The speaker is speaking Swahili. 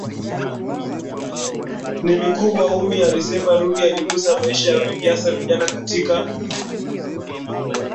ni mikubwa Ummy alisema Ruge aligusa maisha ya wengi hasa vijana katika